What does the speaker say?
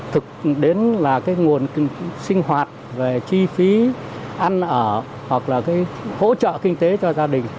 thực đến là cái nguồn sinh hoạt về chi phí ăn ở hoặc là cái hỗ trợ kinh tế cho gia đình